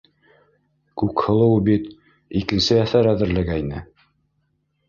Күкһылыу бит икенсе әҫәр әҙерләгәйне!